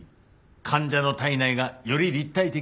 患者の体内がより立体的に見える。